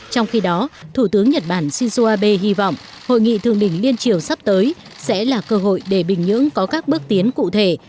trong khi đó thủ tướng nhật bản shinzo abe hy vọng hội nghị thượng đỉnh liên triều sắp tới sẽ là cơ hội để bình nhưỡng có các bước tiến cụ thể